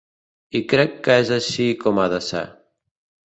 I crec que és així com ha de ser.